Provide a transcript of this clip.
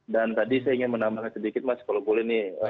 dan tadi saya ingin menambahkan sedikit mas kalau boleh nih